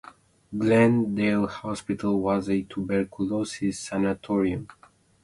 Glenn Dale Hospital was a tuberculosis sanatorium.